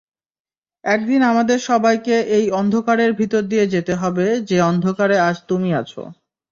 একদিন আমাদের সবাইকে এই অন্ধকারের ভিতর দিয়ে যেতে হবে যে অন্ধকারে আজ তুমি আছো।